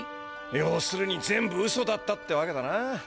ようするに全部ウソだったってわけだな。